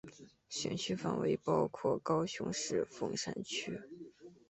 选区范围包括高雄市凤山区。